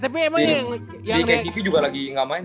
si kcp juga lagi gak main